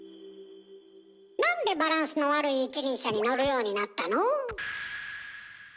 なんでバランスの悪い一輪車に乗るようになったの？